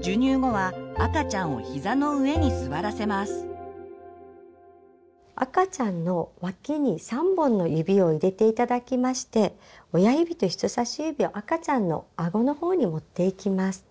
授乳後は赤ちゃんの脇に３本の指を入れて頂きまして親指と人さし指を赤ちゃんのあごの方に持っていきます。